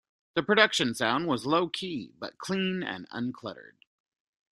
The production sound was low-key, but clean and uncluttered.